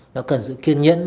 nó cần sự kiên nhẫn